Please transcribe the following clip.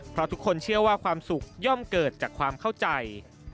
เพราะทุกคนเชื่อว่าความสุขย่อมเกิดจากความเข้าใจ